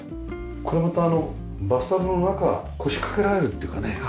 これまたあのバスタブの中腰掛けられるっていうかね。